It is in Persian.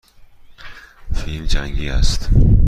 فیلم جنگی است.